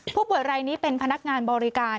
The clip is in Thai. ผู้ป่วยรายนี้เป็นพนักงานบริการ